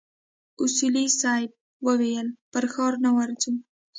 اصولي صیب وويل پر ښار نه ورځو.